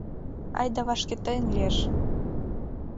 — Айда вашке тыйын лиеш.